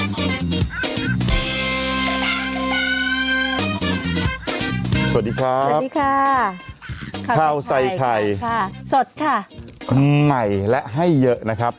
สวัสดีครับสวัสดีค่ะข้าวใส่ไข่ค่ะสดค่ะใหม่และให้เยอะนะครับ